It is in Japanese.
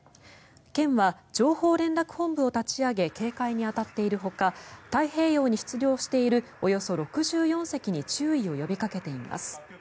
県は情報連絡本部を立ち上げ警戒に当たっているほか太平洋に出漁しているおよそ６４隻に注意を呼びかけています。